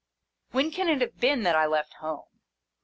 When can it have been that I left home